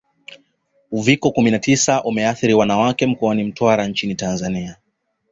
Uviko kumi na tisa umeathiri Wanawake mkoani Mtwara nchini Tanzania